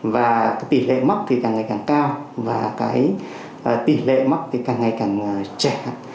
và tỷ lệ mắc thì càng ngày càng cao và tỷ lệ mắc thì càng ngày càng trẻ